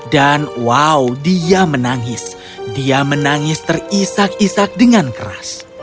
dan wow dia menangis dia menangis terisak isak dengan keras